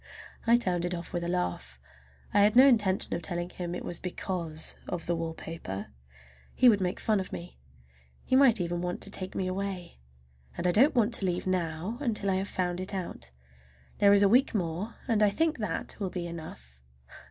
I turned it off with a laugh. I had no intention of telling him it was because of the wallpaper—he would make fun of me. He might even want to take me away. I don't want to leave now until I have found it out. There is a week more, and I think that will be enough.